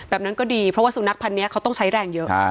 แบบนั้นก็ดีเพราะว่าสุนัขพันธ์นี้เขาต้องใช้แรงเยอะ